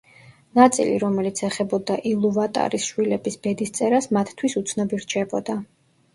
ნაწილი, რომელიც ეხებოდა ილუვატარის შვილების ბედისწერას, მათთვის უცნობი რჩებოდა.